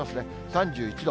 ３１度。